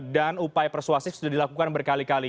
dan upaya persuasi sudah dilakukan berkali kali